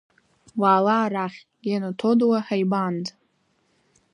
Уаала арахь, Гено Ҭодуа ҳаибаанӡа.